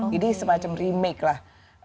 jadi semacam remake lah